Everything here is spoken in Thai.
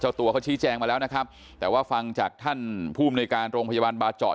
ตัวเขาชี้แจงมาแล้วนะครับแต่ว่าฟังจากท่านภูมิในการโรงพยาบาลบาเจาะ